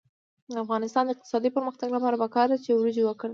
د افغانستان د اقتصادي پرمختګ لپاره پکار ده چې وریجې وکرل شي.